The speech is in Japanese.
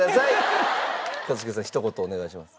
一茂さんひと言お願いします。